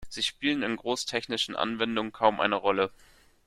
Sie spielen in großtechnischen Anwendungen kaum eine Rolle.